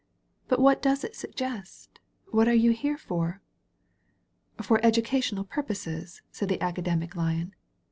But what does it suggest? What are you here for?" "For educational purposes," said the Academic Lion.